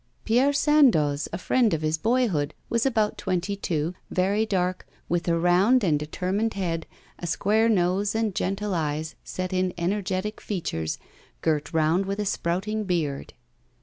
Pierre Sandoz, a friend of his boyhood, was about twenty two, very dark, with a round and determined head, a square nose, and gentle eyes, set in energetic features, girt round with a sprouting beard.